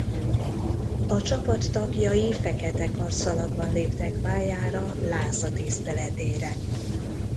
A csapat tagjai fekete karszalagban léptek pályára Láza tiszteletére.